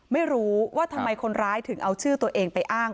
ไม่รู้ว่าทำไมคนร้ายถึงเอาชื่อตัวเองไปอ้าง